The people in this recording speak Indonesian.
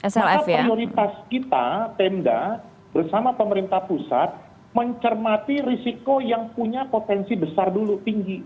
maka prioritas kita pemda bersama pemerintah pusat mencermati risiko yang punya potensi besar dulu tinggi